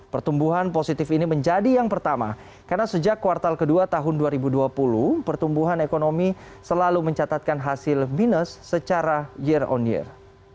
pertumbuhan positif ini menjadi yang pertama karena sejak kuartal kedua tahun dua ribu dua puluh pertumbuhan ekonomi selalu mencatatkan hasil minus secara year on year